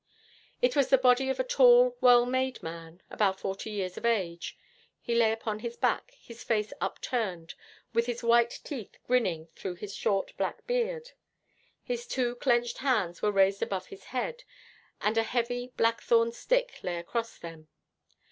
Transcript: It was the body of a tall, well made man, about forty years of age. He lay upon his back, his face upturned, with his white teeth grinning through his short, black beard. His two clenched hands were raised above his head, and a heavy, blackthorn stick lay across them.